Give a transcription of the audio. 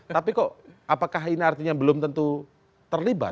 tapi kok apakah ini artinya belum tentu terlibat